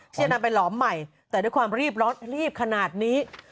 ที่จะนำไปหลอมใหม่แต่ด้วยความรีบขนาดนี้